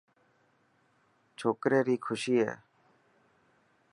ڇوڪري ري خوشي هي.